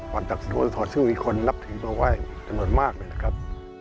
วันศักดิ์สุทธรณ์ชื่อวิคคลนับถือมาไว้จำนวนมากเลยนะครับ